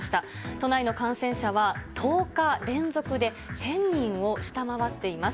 都内の感染者は１０日連続で１０００人を下回っています。